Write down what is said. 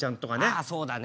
あそうだね